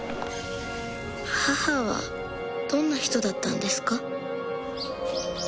母はどんな人だったんですか？